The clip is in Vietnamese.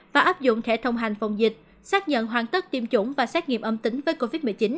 và áp dụng thẻ thông hành phòng dịch xác nhận hoàn tất tiêm chủng và xét nghiệm âm tính với covid một mươi chín